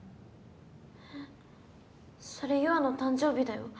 えっそれ優愛の誕生日だよ。